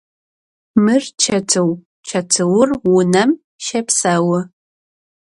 Мыр чэтыу, чэтыур унэм щэпсэу.